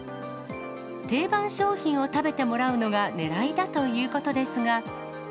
定番商品を食べてもらうのがねらいだということですが。